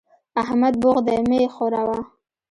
احمد بوخت دی؛ مه يې ښوروه.